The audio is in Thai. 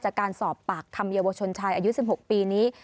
จากการสอบปากคำเยาวชนชายอายุ๑๖ปีนี้